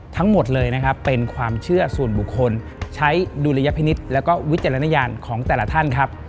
ทั้งหมดเลยนะครับเป็นความเชื่อส่วนบุคคลใช้ดุลยพินิษฐ์แล้วก็วิจารณญาณของแต่ละท่านครับ